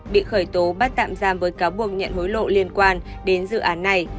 bị khởi tố bắt tạm giam với cáo buộc nhận hối lộ liên quan đến dự án này